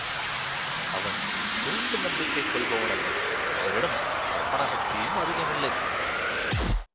அவன் குருட்டு நம்பிக்கை கொள்பவனல்லன் அவனிடம் கற்பனா சக்தியும் அதிகமில்லை.